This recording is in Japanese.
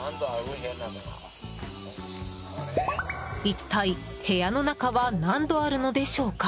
一体、部屋の中は何度あるのでしょうか。